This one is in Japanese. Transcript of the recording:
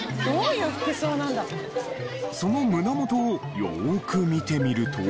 その胸元をよーく見てみると。